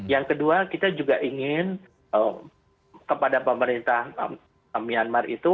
yang kedua kita juga ingin kepada pemerintah myanmar itu